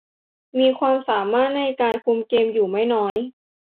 มีความสามารถในการคุมเกมอยู่ไม่น้อย